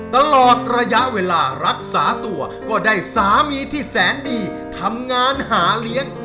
ตลอดระยะเวลารักษาตัวก็ได้สามีที่แสนดีทำงานหาเลี้ยง